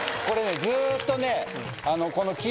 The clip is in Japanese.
これねずっとねこの。